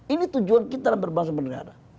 ini tujuan kita dalam berbangsa bernegara